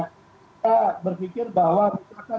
kita berpikir bahwa terkait perusahaan